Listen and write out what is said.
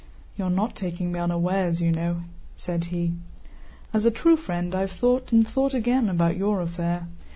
"You are not taking me unawares, you know," said he. "As a true friend, I have thought and thought again about your affair.